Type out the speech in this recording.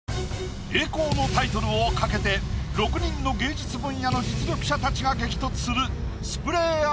栄光のタイトルを懸けて６人の芸術分野の実力者たちが激突するスプレー